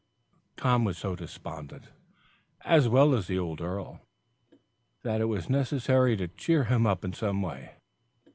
Tom was so despondent, as well as the old earl, that it was necessary to cheer him up in some way.